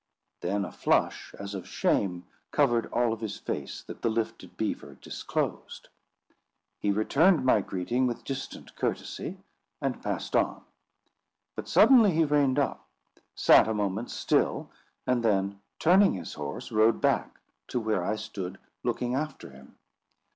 Then a flush, as of shame, covered all of his face that the lifted beaver disclosed. He returned my greeting with distant courtesy, and passed on. But suddenly, he reined up, sat a moment still, and then turning his horse, rode back to where I stood looking after him.